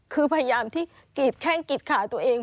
คือพยายามที่กรีดแข้งกรีดขาตัวเอง